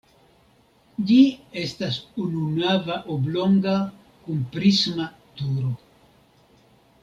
Ĝi estas ununava oblonga kun prisma turo.